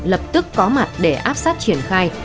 lập tức có mặt để áp sát triển khai